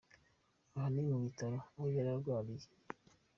Aha ni mu bitaro aho yari arwariye.